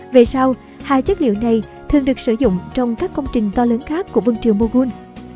về sau hai chất liệu này thường được sử dụng trong các công trình to lớn khác của vương triều mugun